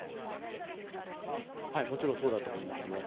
もちろんそうだと思いますね。